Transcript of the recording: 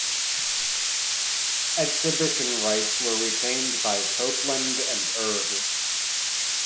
Exhibition rights were retained by Copeland, and Urgh!